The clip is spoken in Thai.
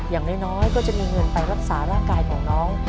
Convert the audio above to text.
อย่างน้อยก็จะมีเงินไปรักษาร่างกายของน้อง